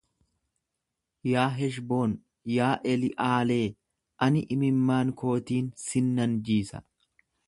Yaa Heshboon, yaa Eli'aalee ani imimmaan kootiin sin nan jiisa.